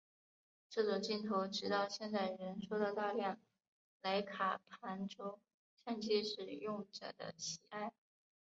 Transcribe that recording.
这种镜头直到现在仍受到大量莱卡旁轴相机使用者的喜爱。